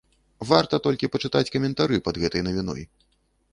Варта толькі пачытаць каментары пад гэтай навіной.